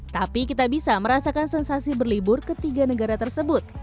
tapi kita bisa merasakan sensasi berlibur ketiga negara tersebut